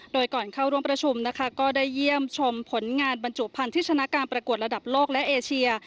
โดยก่อนเข้าร่วมประชุมนะคะก็ได้เยี่ยมชมผลงานบรรจุพันธุ์ที่ชนะการประกวดระดับโลกและเอเชีย